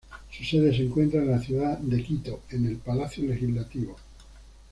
Su sede se encuentra en la ciudad de Quito en el Palacio Legislativo.